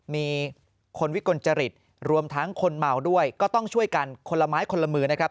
มีคนวิกลจริตรวมทั้งคนเมาด้วยก็ต้องช่วยกันคนละไม้คนละมือนะครับ